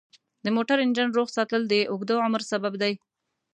د موټر انجن روغ ساتل د اوږده عمر سبب دی.